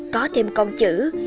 có thêm con chữ